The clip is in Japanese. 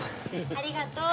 ありがとう。